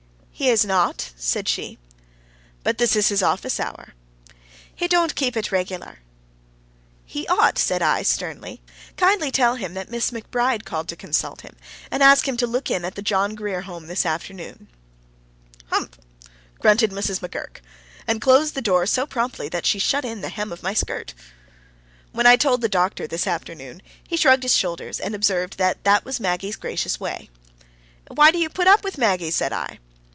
"He is not," said she. "But this is his office hour." "He don't keep it regular'." "He ought," said I, sternly. "Kindly tell him that Miss McBride called to consult him, and ask him to look in at the John Grier Home this afternoon." "Ump'!" grunted Mrs. McGurk, and closed the door so promptly that she shut in the hem of my skirt. When I told the doctor this afternoon, he shrugged his shoulders, and observed that that was Maggie's gracious way. "And why do you put up with Maggie?" said I.